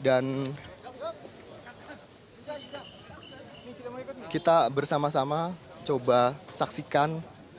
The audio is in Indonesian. dan kita bersama sama coba saksikan